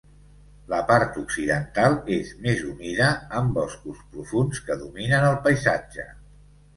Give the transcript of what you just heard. La part occidental és més humida amb boscos profunds que dominen el paisatge.